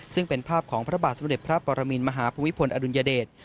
ซึ่งเป็นภาพของพระบาทสมเด็จพระปรมินมหาภูมิพลอดุลยเดช